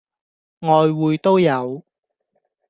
外滙都有